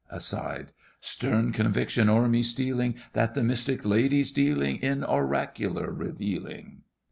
(Aside.) Stern conviction's o'er me stealing, That the mystic lady's dealing In oracular revealing.